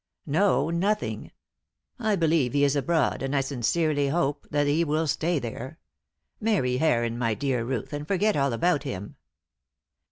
"No, nothing. I believe he is abroad, and I sincerely hope that he will stay there. Marry Heron, my dear Ruth, and forget all about him."